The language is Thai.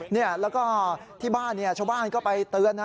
เนี่ยแล้วก็ที่บ้านเนี่ยชาวบ้านก็ไปเตือนนะ